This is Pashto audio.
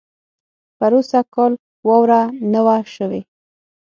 پروسږ کال واؤره نۀ وه شوې